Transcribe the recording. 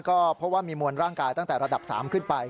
ก็เพราะว่ามีมวลร่างกายตั้งแต่ระดับ๓ขึ้นไป